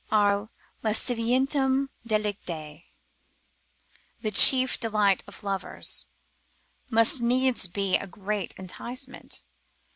are lascivientium delicicae, the chief delight of lovers, must needs be a great enticement.